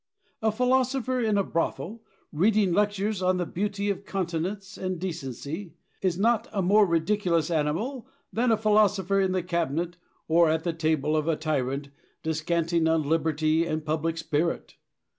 A philosopher in a brothel, reading lectures on the beauty of continence and decency, is not a more ridiculous animal than a philosopher in the cabinet, or at the table of a tyrant, descanting on liberty and public spirit!